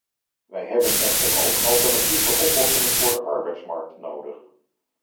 Wij hebben echter ook alternatieve oplossingen voor de arbeidsmarkt nodig.